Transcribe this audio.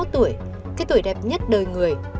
hai mươi một tuổi cái tuổi đẹp nhất đời người